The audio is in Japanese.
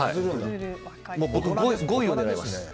僕５位を狙います。